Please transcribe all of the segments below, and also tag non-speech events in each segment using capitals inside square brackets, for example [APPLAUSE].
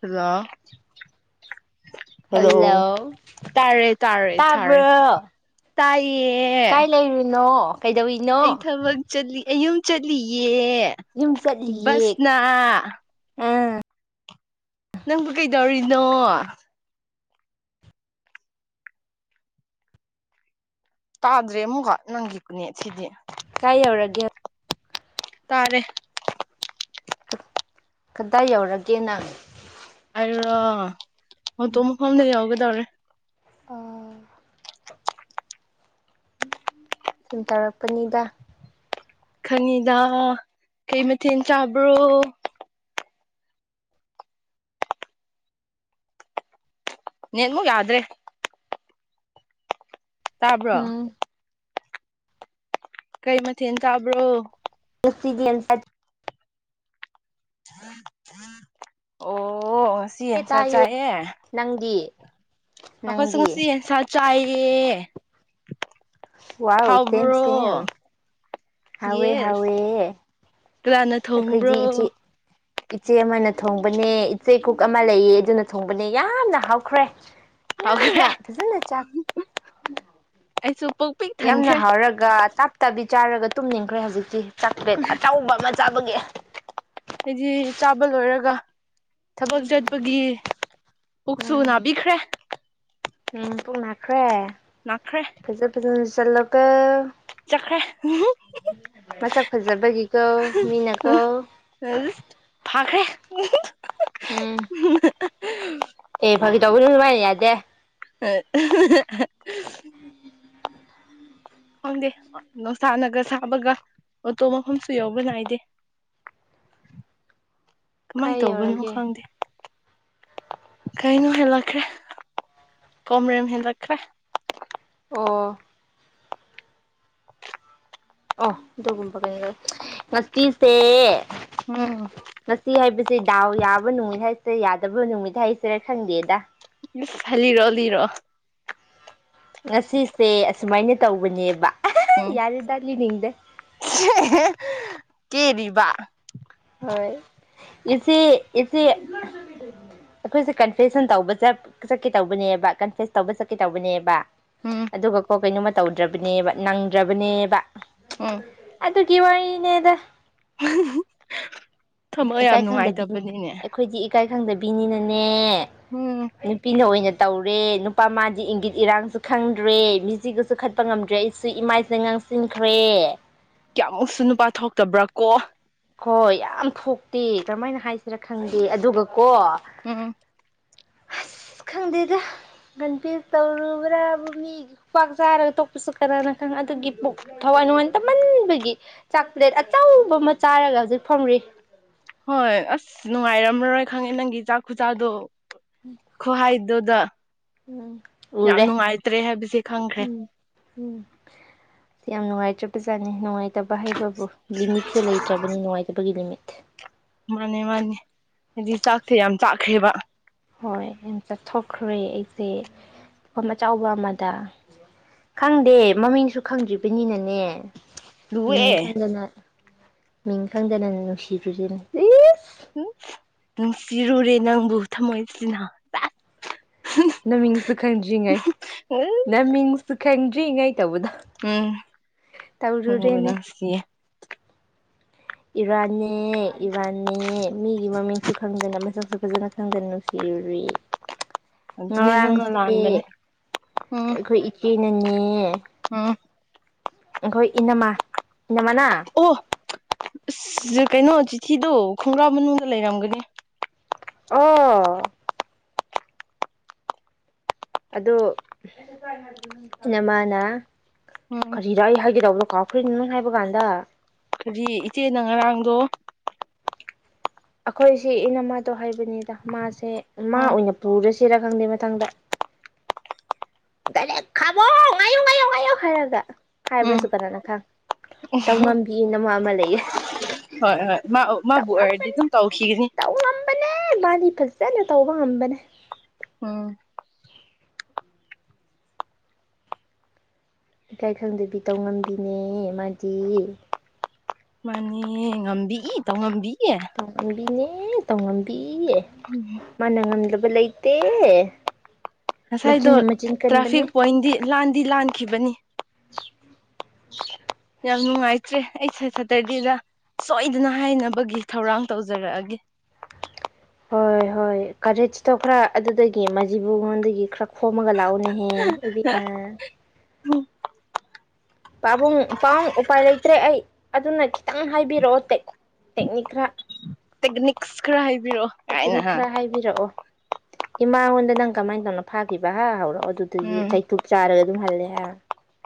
hello hello ꯇꯥꯔꯦ ꯇꯥꯕ꯭ꯔꯣ ꯇꯥꯏ ꯀꯥꯏ ꯂꯩꯔꯤꯅꯣ ꯑꯩ ꯀꯩꯗꯧꯔꯤꯅꯣ ꯊꯕꯛ ꯆꯠꯂꯤ ꯑꯩ ꯌꯨꯝ ꯆꯠꯂꯤꯌꯦ ꯌꯦ ꯌꯨꯝ ꯕꯁ ꯆꯠꯂꯤꯌꯦ ꯅ ꯑꯥ ꯅꯪꯕꯨ ꯀꯩꯗꯧꯔꯤꯅꯣ ꯇꯥꯗ꯭ꯔꯦ ꯑꯃꯨꯛꯀ ꯅꯪꯒꯤ ꯅꯦꯠꯁꯤꯗꯤ ꯀꯥꯏ ꯌꯧꯔꯒꯦ ꯇꯥꯔꯦ ꯀꯗꯥꯏ ꯌꯧꯔꯒꯦ ꯅꯪ ꯑꯩꯔꯣ ꯃꯟꯇꯣꯞ ꯃꯐꯝ ꯌꯧ ꯗꯔ ꯑꯣ ꯁꯨꯝ ꯇꯧꯔꯛꯄꯅꯤꯗ ꯈꯪꯏꯗꯥ ꯀꯩ ꯃꯊꯦꯜ ꯆꯥꯕ꯭ꯔꯣ ꯅꯦꯠꯃꯨꯛ ꯌꯥꯗ꯭ꯔꯦ ꯇꯥꯕ꯭ꯔꯣ ꯎꯝ ꯀꯩ ꯃꯊꯦꯜ ꯆꯥꯕ꯭ꯔꯣ [UNINTELLIGIBLE] ꯑꯣ ꯉꯁꯤ ꯑꯦ ꯌꯦꯟꯁꯥ ꯇꯥꯏꯌꯦ ꯆꯥꯏꯌꯦ ꯅꯪꯗꯤ ꯑꯩꯈꯣꯏꯁꯨ ꯅꯪꯗꯤ ꯉꯁꯤ ꯌꯦꯟꯁ ꯆꯥꯏ ꯌꯦ ꯋꯥꯎ ꯁꯦꯝ ꯁꯦꯝ ꯍꯥꯎꯋꯦ ꯌꯦꯁ ꯍꯥꯎꯋꯦ ꯀꯅꯥꯅ ꯊꯣꯡꯕ꯭ꯔꯣ ꯑꯩꯈꯣꯏꯒꯤ ꯏꯆꯦ ꯏꯆꯦ ꯑꯃꯅ ꯊꯣꯡꯕꯅꯦ ꯏꯆꯦ ꯀꯨꯛ ꯑꯃ ꯂꯩꯌꯦ ꯑꯗꯨꯅ ꯊꯣꯡꯕꯅꯦ ꯌꯥꯝꯅ ꯍꯥꯎꯈ꯭ꯔꯦ ꯍꯥꯎꯈ꯭ꯔꯦ ꯌꯥꯝꯅ ꯐꯖꯅ ꯆꯥꯛ ꯑꯩꯁꯨ ꯄꯨꯛ ꯄꯤꯛ ꯌꯥꯝꯅ ꯊꯟꯈ꯭ꯔꯦ ꯍꯥꯎꯔꯒ ꯇꯥꯞ ꯇꯕꯤ ꯆꯥꯔꯒ ꯇꯨꯝꯅꯤꯡꯈ꯭ꯔꯦ ꯍꯧꯖꯤꯛꯇꯤ ꯆꯥꯛ ꯄ꯭ꯂꯦꯠ ꯑꯆꯧꯕ ꯑꯃ ꯆꯥꯕꯒꯤ ꯑꯩꯗꯤ ꯆꯥꯕ ꯂꯣꯏꯔꯒ ꯊꯕꯛ ꯆꯠꯄꯒꯤ ꯄꯨꯛꯁꯨ ꯎꯝ ꯅꯥꯕꯤꯈ꯭ꯔꯦ ꯎꯝ ꯄꯨꯛ ꯅꯥꯈ꯭ꯔꯦ ꯅꯥꯈ꯭ꯔꯦ ꯐꯖ ꯐꯖꯅ ꯆꯠ ꯆꯠꯂꯣꯀꯣ ꯆꯠꯈ꯭ꯔꯦ ꯃꯁꯛ ꯐꯖꯕꯒꯤ ꯀꯣ ꯃꯤꯅ ꯀꯣ ꯐꯥꯈ꯭ꯔꯦ ꯎꯝ ꯍꯥ [INAUDIBLE] ꯑꯦ ꯐꯥꯒꯤ ꯇꯧꯕꯁꯨ ꯁꯃꯥꯏ ꯌꯥ ꯗꯦ [INAUDIBLE] ꯈꯪꯗꯦ ꯅꯨꯡꯁꯥꯅꯒ ꯁꯥꯕꯒ ꯑꯣꯇꯣ ꯃꯐꯝꯁꯨ ꯌꯧꯕ ꯅꯥꯏꯗꯦ ꯀꯃꯥꯏ ꯀꯥꯏ ꯇꯧꯕꯅꯣ ꯌꯧꯔꯒꯦ ꯈꯪꯗꯦ ꯀꯩꯅꯣ ꯍꯦꯜꯂꯛꯈ꯭ꯔꯦ ꯀꯣꯝꯔꯦꯝ ꯍꯦꯜꯂꯛꯈ꯭ꯔꯦ ꯑꯣ [INAUDIBLE] ꯑꯣ ꯑꯗꯨꯒꯨꯝꯕ ꯀꯩꯅꯣꯔ ꯉꯁꯤꯁꯦ ꯎꯝ ꯉꯁꯤ ꯍꯥꯏꯕꯁꯤ ꯗꯥꯎ ꯌꯥꯕ ꯅꯨꯃꯤꯠ ꯍꯥꯏꯁꯤ ꯌꯥꯗꯕ ꯅꯨꯃꯤꯠ ꯍꯥꯏꯁꯤꯔꯥ ꯈꯪꯗꯦꯗ ꯏꯁ ꯍ ꯂꯤꯔꯛꯑꯣ ꯂꯤꯔꯛꯑꯣ ꯉꯁꯤꯁꯦ ꯑꯁꯨꯃꯥꯏꯅ ꯇꯧꯕꯅꯦꯕ ꯑꯥꯍꯥꯍꯥ ꯎꯝ ꯌꯥꯔꯦꯗ ꯂꯤꯅꯤꯡꯗꯦ ꯀꯦꯔꯤꯕ ꯍꯣꯏ ꯏꯆꯦ ꯏꯆꯦ ꯑꯩꯈꯣꯏꯁꯦ ꯀꯟꯐꯦꯁꯁꯟ ꯇꯧꯕ ꯆꯠ ꯆꯠꯀꯦ ꯇꯧꯕꯅꯦꯕ ꯀꯟꯐꯦꯁ ꯇꯧꯕ ꯆꯠꯀꯦ ꯇꯧꯕꯅꯦꯕ ꯎꯝ ꯑꯗꯨꯒ ꯀꯣ ꯀꯩꯅꯣꯝꯃ ꯇꯧꯗ꯭ꯔꯕꯅꯦꯕ ꯅꯪꯗ꯭ꯔꯕꯅꯦꯕ ꯎꯝ ꯑꯗꯨꯒꯤ ꯋꯔꯤꯅꯦꯗ ꯍꯝꯍꯝꯍꯝ [INAUDIBLE] ꯊꯃꯣꯏ ꯌꯥꯝ ꯏꯀꯥꯏ ꯈꯪꯗꯕꯤ ꯅꯨꯡꯉꯥꯏꯇꯕꯅꯤꯅꯦ ꯑꯩꯈꯣꯏꯗꯤ ꯏꯀꯥꯏ ꯈꯪꯗꯕꯤꯅꯤꯅꯅꯦ ꯎꯝ ꯅꯨꯄꯤꯅ ꯑꯣꯏꯅ ꯇꯧꯔꯦ ꯅꯨꯄꯥ ꯃꯥꯗꯤ ꯏꯪꯒꯤꯠ ꯏꯔꯥꯡꯁꯨ ꯈꯪꯗ꯭ꯔꯦ ꯃꯤꯆꯤꯒꯁꯨ ꯈꯠꯄ ꯉꯝꯗ꯭ꯔꯦ ꯑꯩꯁꯨ ꯏꯃꯥꯏꯁꯦ ꯉꯥꯡꯁꯤꯟꯈ꯭ꯔꯦ ꯀꯌꯥꯃꯨꯛꯁꯨ ꯅꯨꯄꯥ ꯊꯣꯛꯇꯕ꯭ꯔꯥ ꯀꯣ ꯍꯣꯏ ꯌꯥꯝ ꯊꯣꯛꯇꯦ ꯀꯔꯝꯍꯥꯏꯅ ꯍꯥꯏꯁꯤꯔꯥ ꯈꯪꯗꯦ ꯑꯗꯨꯒ ꯀꯣ ꯎꯝ ꯑꯁ ꯈꯪꯗꯦꯗ ꯀꯟꯄ꯭ꯌꯥꯔ ꯇꯧꯔꯨꯕ꯭ꯔꯥ ꯃꯤ ꯈꯨꯄꯥꯛ ꯆꯥꯔꯒ ꯇꯣꯛꯄꯁꯨ ꯀꯅꯥꯅ ꯈꯪ ꯑꯗꯨꯒꯤ ꯊꯋꯥꯏ ꯅꯨꯡꯉꯏ ꯇꯝꯃꯟꯕꯒꯤ ꯆꯥꯛꯄ꯭ꯂꯦꯠ ꯑꯆꯧꯕ ꯑꯃ ꯆꯥꯔꯒ ꯍꯧꯖꯤꯛ ꯐꯝꯔꯤ ꯍꯣꯏ ꯑꯁ ꯅꯨꯡꯉꯥꯏꯔꯝꯃꯔꯣꯏ ꯈꯪꯉꯦ ꯅꯪꯒꯤ ꯆꯥꯛ ꯈꯨꯆꯥꯗꯣ ꯈꯨ ꯍꯥꯏ ꯑꯗꯨꯗ ꯎꯝ ꯌꯥꯝ ꯎꯔꯦ ꯅꯨꯡꯉꯥꯏꯇ꯭ꯔꯦ ꯍꯥꯏꯕꯁꯦ ꯈꯪꯈ꯭ꯔꯦ ꯎꯝ ꯎꯝ ꯌꯥꯝ ꯅꯨꯡꯉꯥꯏꯇ꯭ꯔꯥ ꯄꯖꯥꯅꯤ ꯅꯨꯡꯉꯥꯏꯇ ꯅꯨꯡꯉꯏꯇꯕ ꯍꯥꯏꯕꯕꯨ ꯂꯤꯃꯤꯠꯁꯦ ꯂꯩꯇ꯭ꯔꯕꯅꯤ ꯅꯨꯡꯉꯥꯏꯇꯕꯒꯤ ꯂꯤꯃꯤꯠ ꯃꯥꯅꯦ ꯃꯥꯅꯦ ꯍꯥꯏꯗꯤ ꯆꯥꯛꯁꯦ ꯌꯥꯝ ꯆꯥꯈ꯭ꯔꯦꯕ ꯍꯣꯏ ꯌꯥꯝ ꯆꯥꯊꯣꯛꯈ꯭ꯔꯦ ꯑꯩꯁꯦ ꯄꯨꯈꯝ ꯑꯆꯧꯕ ꯑꯃꯗ ꯈꯪꯗꯦ ꯃꯃꯤꯡꯁꯨ ꯈꯪꯗ꯭ꯔꯤꯕꯅꯤꯅꯅꯦ ꯃꯤꯡ ꯂꯨꯑꯦ ꯈꯪꯗꯅ ꯃꯤꯡ ꯈꯪꯗꯅꯅ ꯅꯨꯡꯁꯤꯈ꯭ꯔꯤꯁꯤꯅꯦ ꯎꯝ ꯅꯨꯡꯁꯤꯔꯨꯔꯦ ꯅꯪꯕꯨ ꯊꯝꯃꯣꯏꯁꯤꯅ ꯅꯃꯤꯡꯁꯨ ꯈꯪꯗ꯭ꯔꯤꯉꯩ ꯃꯤꯡꯁꯨ ꯈꯪꯗ꯭ꯔꯤꯉꯩ ꯇꯧꯕꯗꯣ ꯎꯝ ꯅꯪꯕꯨ ꯇꯧꯔꯨꯔꯦꯅꯦ ꯅꯨꯡꯁꯤꯌꯦ ꯏꯔꯥꯟꯅꯦ ꯏꯔꯥꯟꯅꯦ ꯃꯤꯒꯤ ꯃꯃꯤꯡꯁꯨ ꯈꯪꯗꯅ ꯃꯁꯛꯁꯨ ꯐꯖꯅ ꯈꯪꯗꯅ ꯅꯨꯡꯁꯤꯔꯨꯔꯤ ꯑꯗꯨꯅꯦ ꯅꯪꯅ ꯉꯔꯥꯡꯁꯦ ꯂꯥꯟꯕꯅꯦ ꯎꯝ ꯑꯩꯈꯣꯏ ꯏꯆꯦ ꯑꯩꯅꯥꯅꯦ ꯎꯝ ꯑꯩꯈꯣꯏ ꯏꯅꯝꯃꯥ ꯏꯅꯝꯃꯅꯥ ꯑꯣ ꯑꯁ ꯀꯩꯅꯣ ꯆꯤꯊꯤꯗꯣ ꯈꯣꯡꯒ꯭ꯔꯥꯎ ꯃꯅꯨꯡꯗ ꯂꯩꯔꯝꯒꯅꯤ ꯑꯣ ꯑꯗꯣ ꯏꯅꯝꯃꯥꯅ ꯎꯝ ꯀꯔꯤꯔꯥ ꯑꯩ ꯍꯥꯏꯒꯦ ꯇꯧꯕꯗꯣ ꯀꯥꯎꯈ꯭ꯔꯦ ꯅꯪ ꯍꯥꯏꯕ ꯀꯥꯟꯗ ꯍꯥꯏꯗꯤ ꯏꯆꯦꯅ ꯉꯔꯥꯡꯗꯣ ꯑꯩꯈꯣꯏꯁꯤ ꯏꯅꯝꯃꯗꯣ ꯍꯥꯏꯕꯅꯤꯗ ꯃꯥꯁꯦ ꯃꯥ ꯎꯝ ꯑꯣꯏꯅ ꯄꯨꯔꯁꯤ ꯁꯤꯔꯥ ꯈꯪꯗꯦ ꯃꯊꯪꯗ ꯗꯥꯏꯔꯦꯛ ꯈꯥꯝꯃꯣ ꯉꯥꯏꯌꯣ ꯉꯥꯏꯌꯣ ꯍꯥꯏꯔꯒ ꯍꯥꯏꯕ꯭ꯔꯁꯨ ꯀꯅꯥꯅ ꯈꯪ ꯑꯣ ꯏꯅꯝꯃ ꯑꯃ ꯂꯩꯌꯦ ꯍꯣꯏ ꯍꯣꯏ ꯃꯥ ꯃꯥꯕꯨ ꯑꯣꯏꯔꯗꯤ ꯑꯗꯨꯝ ꯇꯧꯈꯤꯒꯅꯤ ꯑꯦ ꯃꯥꯗꯤ ꯐꯖꯅ ꯇꯧꯕ ꯉꯝꯕꯅꯦ ꯎꯝ ꯏꯀꯥꯏ ꯈꯪꯗꯕꯤ ꯇꯧꯉꯝꯕꯤꯅꯦ ꯃꯥꯗꯤ ꯑꯦ ꯉꯝꯕꯤꯏ ꯇꯧꯉꯝꯕꯤ ꯇꯧꯉꯝꯕꯤꯅꯦ ꯅꯦ ꯇꯣꯡꯉꯝꯕꯤ ꯏ ꯎꯝ ꯃꯅꯥ ꯉꯝꯗꯔꯥ ꯕ ꯂꯩꯇꯦ ꯉꯁꯥꯏꯗꯣ ꯃꯆꯤꯟꯅ ꯃꯆꯤꯟ ꯇ꯭ꯔꯥꯐꯤꯛ ꯀꯟꯕꯅꯦ ꯄꯣꯏꯟꯗꯤ ꯂꯥꯟꯗꯤ ꯂꯥꯟꯈꯤꯕꯅꯤ ꯌꯥꯝ ꯅꯨꯡꯉꯥꯏꯇ꯭ꯔꯦ ꯑꯩꯁꯦ ꯁꯇꯔꯗꯦꯗ ꯁꯣꯏꯗꯅ ꯍꯥꯏꯅꯕꯒꯤ ꯊꯧꯔꯥꯡ ꯇꯧꯖꯔꯛꯑꯒꯦ ꯍꯣꯏ ꯍꯣꯏ ꯀꯔꯦꯁꯇꯣ ꯈꯔ ꯑꯗꯨꯗꯒꯤ ꯃꯖꯤꯕꯨꯉꯣꯟꯗꯒꯤ ꯈꯔ ꯈꯣꯝꯃꯒ ꯂꯥꯛꯎꯅꯦꯍꯦ ꯏꯕꯦꯝꯃ ꯄꯥꯕꯨꯡ ꯄꯥꯕꯨꯡ ꯎꯄꯥꯏ ꯂꯩꯇ꯭ꯔꯦ ꯑꯩ ꯑꯗꯨꯅ ꯈꯤꯇꯪ ꯍꯥꯏꯕꯤꯔꯛꯑꯣ ꯇꯦꯛꯅꯤꯛ ꯈꯔ ꯇꯦꯛꯅꯤꯛꯁ ꯈꯔ ꯍꯥꯏꯕꯤꯔꯛꯑꯣ ꯀꯥꯏꯅ ꯇꯦꯛꯀꯅꯤꯛ ꯍꯥꯏ ꯈꯔ ꯍꯥꯏꯕꯤꯔꯛꯑꯣ ꯏꯃꯥꯉꯣꯟꯗ ꯅꯪ ꯀꯃꯥꯏꯅ ꯇꯧꯅ ꯐꯥꯈꯤꯕ ꯍꯥ ꯍꯧꯔꯣ ꯑꯗꯨꯗꯒꯤꯗꯤ ꯎꯝ ꯆꯩꯇꯨꯞ ꯆꯥꯔꯅꯤ ꯑꯗꯨꯝ ꯍꯜꯂꯦ ꯍꯥꯏꯔꯣ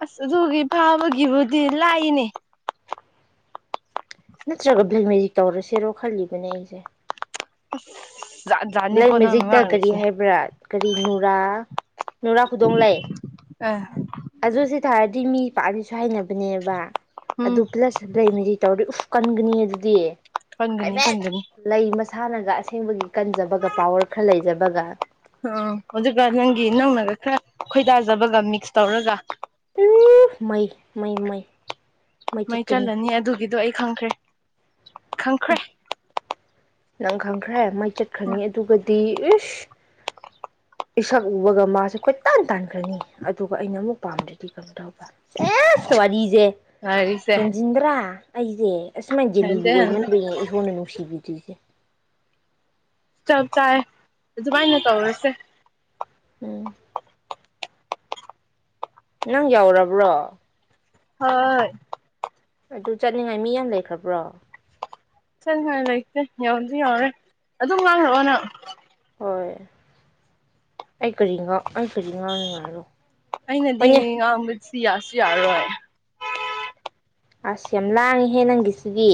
ꯑꯁ ꯑꯗꯨꯒꯤ ꯐꯥꯕꯒꯤꯕꯨꯗꯤ ꯂꯥꯏꯅꯦ ꯅꯠꯇ꯭ꯔꯒ ꯕ꯭ꯂꯦꯛ ꯃꯦꯖꯤꯛ ꯇꯧꯔꯁꯤꯔꯣ ꯈꯜꯂꯤꯕꯅꯦ ꯑꯩꯁꯦ [INAUDIBLE] ꯕꯂꯦꯛ ꯅꯪꯅ ꯃꯦꯖꯤꯛꯇ ꯀꯔꯤ ꯉꯥꯡꯔꯤꯁꯦ ꯍꯥꯏꯕ꯭ꯔꯥ ꯀꯔꯤ ꯅꯨꯔꯥ ꯅꯨꯔꯥ ꯈꯨꯗꯣꯡꯂꯩ ꯑ ꯑꯗꯨꯗꯤ ꯇꯥꯔꯗꯤ ꯃꯤ ꯄꯥꯅꯤꯁꯨ ꯍꯥꯏꯅꯕ ꯅꯦꯕ ꯎꯝ ꯑꯗꯨ ꯄ꯭ꯂꯁ ꯂꯩꯃꯤꯗꯤ ꯇꯧꯔꯤ ꯎ ꯀꯟꯒꯅꯤ ꯑꯗꯨꯗꯤ ꯀꯪꯒꯅꯤ ꯀꯪꯖꯅꯤ ꯃꯥꯟꯅꯒ ꯑꯁꯦꯡꯕꯒꯤ ꯀꯟ ꯐꯖꯕꯒ ꯄꯋꯔ ꯈꯔ ꯂꯩꯖꯕꯒ ꯑ ꯑꯗꯨꯒ ꯅꯪꯒꯤ ꯅꯧꯅꯒ ꯈꯔ ꯈꯣꯏꯗꯥꯖꯕꯒ ꯃꯤꯛꯁ ꯇꯧꯔꯒ ꯎ ꯃꯩ ꯃꯩ ꯃꯩ ꯃꯩ ꯆꯜꯂꯅꯤ ꯑꯗꯨꯒꯤꯗꯣ ꯑꯩ ꯈꯪꯈ꯭ꯔꯦ ꯈꯪꯈ꯭ꯔꯦ ꯅꯪ ꯈꯪꯈ꯭ꯔꯦ ꯃꯩ ꯆꯠꯈꯅꯤ ꯑꯗꯨꯒꯗꯤ ꯏꯁ ꯏꯁꯛ ꯎꯕꯒ ꯃꯥꯁꯨ ꯀꯣꯏ ꯇꯥꯟ ꯇꯥꯟꯈ꯭ꯔꯅꯤ ꯑꯗꯨꯒ ꯑꯩꯅ ꯑꯃꯨꯛ ꯄꯥꯝꯗ꯭ꯔꯗꯤ ꯀꯩꯅꯝ ꯇꯧꯕ ꯋꯥꯔꯤꯁꯦ ꯂꯥꯏꯔꯤꯛꯁꯦ ꯍꯦꯟꯖꯤꯟꯕ꯭ꯔꯥ ꯑꯩ ꯁꯦ ꯑꯁꯨꯃꯥꯏꯅꯗꯤ ꯍꯟꯗꯦ ꯂꯨꯔꯨꯑꯣꯏ ꯍꯟꯗꯦ ꯃꯔꯝꯗꯤ ꯏꯁꯣꯔꯅ ꯅꯨꯡꯁꯤꯕꯤꯗ꯭ꯔꯤꯁꯦ ꯆꯞ ꯆꯥꯏ ꯑꯗꯨꯃꯥꯏꯅ ꯇꯧꯔꯁꯦ ꯎꯝ ꯅꯪ ꯌꯥꯎꯔꯕ꯭ꯔꯣ ꯍꯣꯏ ꯑꯗꯨ ꯆꯠꯅꯤꯡꯉꯥꯏ ꯃꯤ ꯌꯥꯝ ꯂꯩꯈ꯭ꯔꯕ꯭ꯔꯣ ꯆꯠꯉꯥꯏ ꯂꯩꯇꯦ ꯌꯥꯝꯁꯨ ꯌꯥꯝꯃꯦ ꯑꯗꯨꯝ ꯉꯥꯡꯂꯛꯑꯣꯅꯪ ꯍꯣꯏ ꯑꯩ ꯀꯔꯤ ꯉ ꯑꯩ ꯀꯔꯤ ꯉꯥꯡꯉꯥꯏꯔꯣ ꯑꯩꯅꯗꯤ ꯉꯥꯡꯕ ꯁꯤꯌꯥꯁꯤ ꯁꯤꯌꯥꯔ ꯑꯁ ꯌꯥꯝ ꯂꯥꯡꯉꯤꯍꯦ ꯅꯪꯒꯤꯁꯤꯗꯤ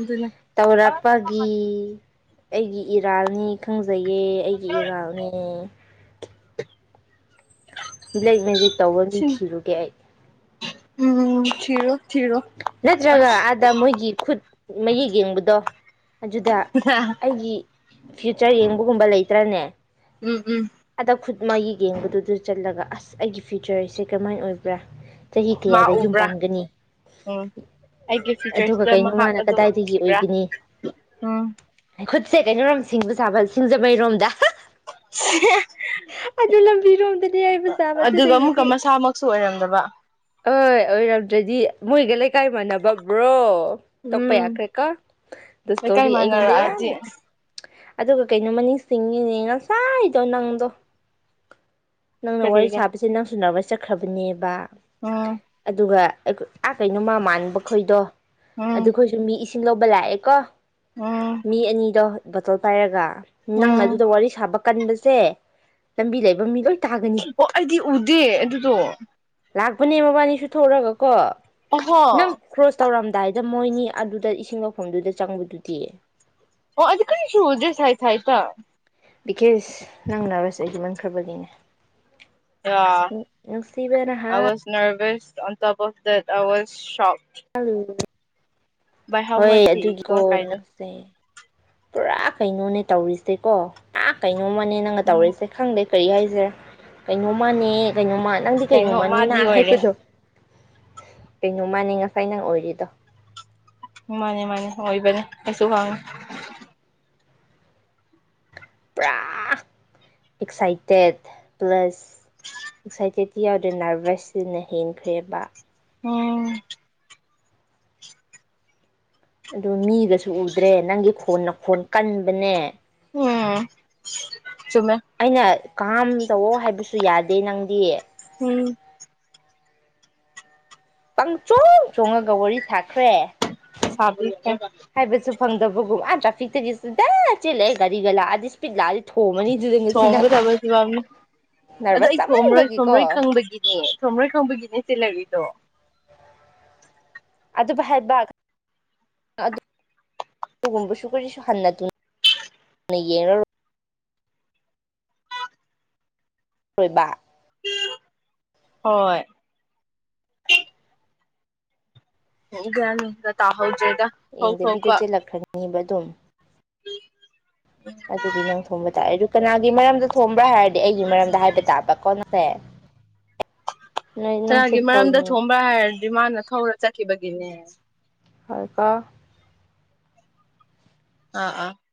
ꯑꯗꯨꯅꯦ ꯇꯧꯔꯛꯄꯒꯤ ꯑꯩꯒꯤ ꯏꯔꯥꯜꯅꯤ ꯈꯪꯖꯩꯌꯦ ꯑꯩꯒꯤ ꯏꯔꯥꯜꯅꯦ [UNINTELLIGIBLE] ꯃꯤꯂꯩ ꯃꯦꯖꯤꯛ ꯇꯧꯕꯔ ꯃꯤ ꯁꯤ ꯊꯤꯔꯨꯒꯦ ꯑꯩ ꯎꯝ ꯊꯤꯔꯨꯔꯣ ꯅꯠꯇ꯭ꯔꯒ ꯑꯥꯗ ꯃꯣꯏꯒꯤ ꯈꯨꯠ ꯃꯌꯦꯛ ꯌꯦꯡꯕꯗꯣ ꯑꯗꯨꯗ ꯑꯩꯒꯤ ꯐ꯭ꯌꯨꯆꯔ ꯌꯦꯡꯕꯒꯨꯝꯕ ꯂꯩꯇ꯭ꯔꯅꯦ ꯎꯝ ꯎꯝ ꯑꯗ ꯈꯨꯠ ꯃꯥꯒꯤ ꯌꯦꯡꯕꯗꯨꯗ ꯆꯜꯂꯒ ꯑꯁ ꯑꯩꯒꯤ ꯐꯤꯌꯨꯆꯔꯁꯦ ꯀꯃꯥꯏ ꯑꯣꯏꯕ꯭ꯔꯥ ꯆꯍꯤ ꯃꯥ ꯀꯌꯥꯗ ꯌꯨꯝ ꯎꯕ꯭ꯔꯥ ꯄꯥꯟꯒꯅꯤ ꯎꯝ ꯑꯩꯒꯤ ꯑꯗꯨꯒ ꯐꯤꯌꯨꯆꯔꯁꯤꯗ ꯀꯩꯅꯣ ꯃꯍꯥꯛ ꯃꯥꯅ ꯑꯗꯣ ꯀꯗꯥꯏꯗꯒꯤ ꯎꯈꯤꯕ꯭ꯔꯥ ꯎꯝ ꯑꯩ ꯈꯨꯠꯁꯦ ꯀꯩꯅꯣ ꯌꯥꯝ ꯁꯤꯡꯕ ꯁꯥꯕ ꯁꯤꯡꯖꯃꯩꯔꯣꯝꯗ ꯑꯗꯨꯅ ꯑꯗꯨꯒ ꯑꯃꯨꯛꯀ ꯃꯁꯥꯃꯛꯁꯨ ꯑꯣꯏꯔꯝꯗꯕ ꯑ ꯑꯣꯏꯔꯝꯗ꯭ꯔꯗꯤ ꯃꯣꯏꯒ ꯏꯀꯥꯏ ꯃꯥꯟꯅꯕꯕ꯭ꯔꯣ ꯇꯛꯄ ꯎꯝ ꯌꯥꯈ꯭ꯔꯦ ꯀꯣ ꯑꯗꯨ ꯂꯩꯀꯥꯏ ꯏꯁꯇꯣꯔꯤ ꯑꯩꯉꯣꯟꯗ ꯃꯥꯟꯅꯔꯛꯑꯗꯤ ꯌꯥꯝꯅ ꯑꯗꯨꯒ ꯀꯩꯅꯣꯃꯅꯤꯁꯤꯡꯉꯤꯅꯦ ꯉꯁꯥꯏ ꯇꯧꯅꯪꯗꯣ ꯅꯪꯅ ꯋꯥꯔꯤ ꯀꯔꯤꯔ ꯁꯥꯕꯁꯤ ꯅꯪꯁꯨ ꯅꯕꯔꯁ ꯆꯠꯈ꯭ꯔꯕꯅꯦꯕ ꯎꯝ ꯑꯗꯨꯒ ꯑꯩꯈ ꯑꯥ ꯀꯩꯅꯣꯃ ꯃꯥꯟꯕ ꯈꯣꯏꯗꯣ ꯎꯝ ꯑꯗꯨ ꯈꯣꯏꯖꯨ ꯃꯤ ꯏꯁ ꯂꯧꯕ ꯂꯥꯑꯦ ꯀꯣ ꯎꯝ ꯃꯤ ꯑꯅꯤꯗꯣ ꯕꯇꯜ ꯄꯥꯏꯔꯒ ꯅꯪꯅ ꯎꯝ ꯑꯗꯨꯗ ꯋꯥꯔꯤ ꯁꯥꯕ ꯀꯟꯕꯁ ꯁꯦ ꯂꯝꯕꯤ ꯂꯩꯕ ꯃꯤ ꯂꯣꯏ ꯇꯥꯒꯅꯤ ꯑꯣ ꯑꯩꯗꯤ ꯎꯗꯦ ꯑꯗꯨꯗꯣ ꯂꯥꯛꯄꯅꯦ ꯃꯕꯥꯅꯤ ꯁꯨ ꯊꯣꯛꯔꯒ ꯀꯣ ꯅꯪ ꯑꯍꯣ ꯀ꯭ꯔꯣꯁ ꯇꯧꯔꯝꯗꯥꯏꯗ ꯃꯣꯏꯅꯤ ꯑꯗꯨꯗ ꯏꯁꯤꯡ ꯂꯧꯐꯝꯗꯨꯗ ꯆꯪꯕꯗꯨꯗꯤ ꯑꯣ ꯑꯩꯗꯤ ꯀꯔꯤꯁꯨ ꯎꯗꯦ ꯁꯥꯏꯠ ꯁꯥꯏꯠꯇ ꯕꯤꯀꯁ ꯅꯪ [UNINTELLIGIBLE] ꯈꯔ꯭ ꯕꯒꯤꯅꯦ ꯌꯥ ꯍꯥ ꯑꯥꯏ ꯋꯥꯁ ꯅꯔꯕꯁ [UNINTELLIGIBLE] ꯑꯥꯏ ꯋꯥꯁ ꯁꯥꯎꯠ [UNINTELLIGIBLE] ꯍꯣꯏ ꯑꯗꯨꯒꯤꯀꯣ ꯅꯪ ꯁꯦ ꯄꯨꯔꯥ ꯀꯩꯅꯣꯅꯦ ꯇꯧꯔꯤꯁꯦꯀꯣ ꯇꯥ ꯀꯩꯅꯣꯃꯅꯦ ꯅꯪꯒ ꯎꯝ ꯇꯧꯔꯤꯁꯦ ꯈꯪꯗꯦ ꯀꯔꯤ ꯍꯥꯏꯖꯤꯔ ꯀꯩꯅꯣ ꯃꯥꯅꯦ ꯀꯩꯅꯣ ꯃꯥꯥꯟ ꯅꯪꯗꯤ ꯀꯩꯅꯣ ꯀꯩꯅꯣꯃꯅꯤꯅ ꯃꯥꯗꯤ ꯑꯣꯏꯔꯦ ꯍꯥꯏꯕꯗꯣ ꯀꯩꯅꯣ ꯃꯥꯅꯤ ꯉꯁꯥꯏ ꯅꯪ ꯑꯣꯏꯔꯤꯗꯣ ꯃꯥꯅꯦ ꯃꯥꯅꯦ ꯑꯣꯏꯕꯅꯦ ꯑꯩꯁꯨ ꯈꯪꯉꯦ ꯄꯨꯔꯥ ꯑꯦꯛꯁꯥꯏꯇꯦꯠ ꯄ꯭ꯂꯁ ꯑꯦꯛꯁꯥꯏꯇꯦꯠꯇꯤ ꯌꯥꯎꯗꯅ ꯅꯔꯚꯁꯁꯤꯅ ꯍꯦꯟꯈ꯭ꯔꯦꯕ ꯎꯝ ꯑꯗꯨ ꯃꯤꯒꯁꯨ ꯎꯗ꯭ꯔꯦ ꯅꯪꯒꯤ ꯈꯣꯟꯅ ꯈꯣꯟ ꯀꯟꯕꯅꯦ ꯎꯝ ꯆꯨꯝꯃꯦ ꯑꯩꯅ ꯀꯥꯝ ꯇꯧꯑꯣ ꯍꯥꯏꯕꯁꯨ ꯌꯥꯗꯦ ꯅꯪꯗꯤ ꯎꯝ ꯄꯪ ꯆꯣꯡ ꯆꯣꯡꯉꯒ ꯋꯥꯔꯤ ꯊꯥꯈ꯭ꯔꯦ ꯁꯥꯕꯤꯈꯔ꯭ꯦ ꯐꯪꯗꯕꯒꯨꯝ ꯑꯥ ꯇ꯭ꯔꯥꯐꯤꯛꯇꯒꯤ [UNINTELLIGIBLE] ꯆꯦꯜꯂꯑꯦ ꯒꯥꯔꯤꯒ ꯂꯥꯑꯗꯤ ꯏꯁꯄꯤꯗ ꯂꯥꯛꯑꯗꯤ ꯊꯣꯝꯃꯅꯤ ꯑꯗꯨꯗ ꯉꯁꯤ ꯅꯪ ꯊꯣꯝꯒꯗꯕꯩ ꯐꯤꯕꯝꯅꯤ ꯑꯗꯣ ꯅꯔꯚꯁ ꯑꯩ ꯊꯣꯝꯔꯣꯏ ꯆꯥꯃꯟꯕꯒꯤꯀꯣ ꯊꯣꯝꯔꯣꯏ ꯈꯪꯕꯒꯤꯅꯦ ꯊꯣꯝꯔꯣꯏ ꯈꯪꯕꯒꯤꯅꯦ ꯆꯦꯜꯂꯛꯔꯤꯗꯣ ꯑꯗꯨꯕꯨ ꯍꯥꯏꯕ ꯑꯗꯨꯒꯨꯝꯕꯁꯨ ꯀꯔꯤꯁꯨ ꯍꯟꯅ ꯇꯨꯅ ꯌꯦꯡꯉꯔꯣꯏ ꯀꯣꯏꯕ ꯍꯣꯏ ꯎꯒꯅꯤꯗ ꯇꯥꯍꯣꯖꯦ ꯏꯗꯕꯤꯗ ꯆꯦꯜꯂꯛꯈ꯭ꯔꯅꯤꯡꯉꯤꯕ ꯑꯗꯨꯝ ꯑꯗꯨꯗꯤ ꯅꯪ ꯊꯣꯝꯕ ꯇꯥꯔꯦ ꯑꯗꯨ ꯀꯅꯥꯒꯤ ꯃꯔꯝꯗ ꯊꯣꯕ꯭ꯔꯥ ꯍꯥꯏꯔꯗꯤ ꯑꯩꯒꯤ ꯃꯔꯝꯗ ꯍꯥꯏꯕ ꯇꯥꯕꯀꯣ ꯅꯪ ꯁ ꯀꯅꯥꯒꯤ ꯃꯔꯝꯗ ꯊꯣꯕ꯭ꯔꯥ ꯍꯥꯏꯔꯅꯤ ꯑꯗꯨ ꯃꯥꯅ ꯊꯧꯔ ꯆꯠꯈꯤꯕꯒꯤꯅꯦ ꯍꯥꯏꯔꯀꯥ ꯑꯥ ꯑꯥ